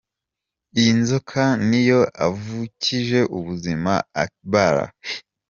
Iyi nzoka niyo avukije ubuzima Akbar.